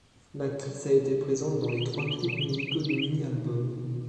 L'actrice a été présente dans les trois clips musicaux du mini-album.